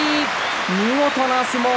見事な相撲。